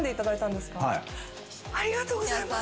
ありがとうございます。